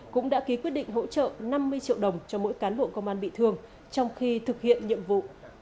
cũng đã ký quyết định hỗ trợ năm mươi triệu đồng cho mỗi cán bộ công an bị thương trong khi thực hiện nhiệm vụ